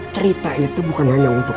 cerita itu bukan hanya untuk